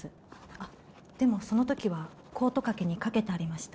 あっでもその時はコート掛けに掛けてありました